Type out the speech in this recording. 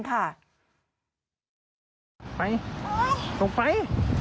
ไปตรงไป